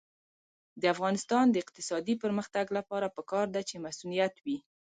د افغانستان د اقتصادي پرمختګ لپاره پکار ده چې مصونیت وي.